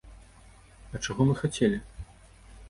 А чаго мы хацелі?